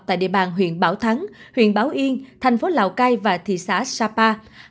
tại địa bàn huyện bảo thắng huyện bảo yên thành phố lào cai và thị xã sapa